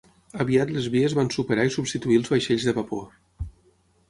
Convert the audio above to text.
Aviat les vies van superar i substituir els vaixells de vapor.